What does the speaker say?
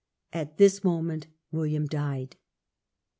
At this moment William died.